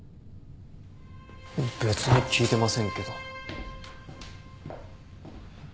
別に聞いてませんけど。